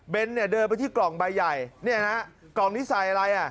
เบนเดินไปที่กล่องใบใหญ่นี่นะกล่องนี้ใส่อะไร